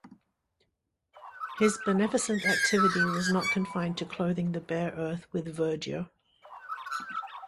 His beneficent activity was not confined to clothing the bare earth with verdure.